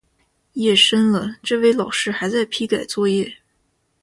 夜深了，这位老师还在批改作业